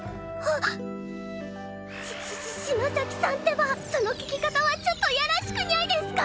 ししし篠崎さんってばその聞き方はちょっとやらしくにゃいですか！？